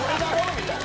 みたいな。